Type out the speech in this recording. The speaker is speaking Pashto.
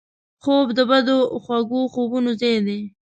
خوب د بدو خوږو خوبونو ځای دی